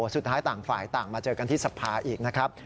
สุดท้ายต่างฝ่ายต่างมาเจอกันที่สภาอีกนะครับ